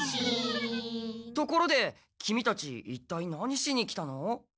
ところでキミたちいったい何しに来たの？